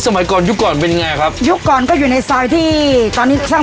สมัยก่อนยุคก่อนเป็นไงครับยุคก่อนก็อยู่ในซอยที่ตอนนี้ช่าง